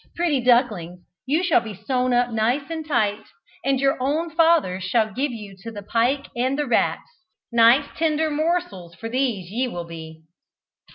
Pretty ducklings, you shall be sown up nice and tight, and your own fathers shall give you to the pike and the rats. Nice tender morsels for these ye will be!"